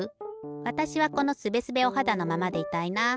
わたしはこのすべすべおはだのままでいたいな。